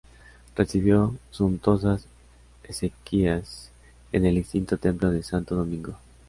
Recibió suntuosas exequias en el extinto Templo de Santo Domingo.